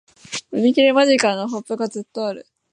売り切れ間近！のポップがずっとある